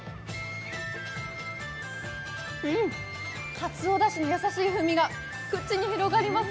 かつおだしの優しい風味が口に広がります。